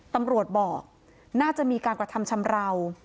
ตำรวจบอกน่าจะมีการกระทำชำราว